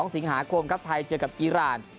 ๒สิงหาคมครับไทยเจอกับอีราน